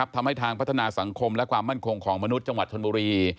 ทำให้ทางพัฒนาสังคมและความมั่นคงของมนุษย์จังหวัดชนบุรี